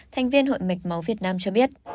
thành viên hội mạch máu việt nam cho biết